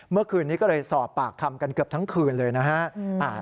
เมื่อคืนนี้ก็เลยสอบปากคำกันเกือบทั้งคืนเลยนะฮะ